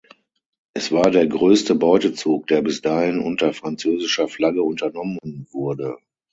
Es war der größte Beutezug, der bis dahin unter französischer Flagge unternommen wurde.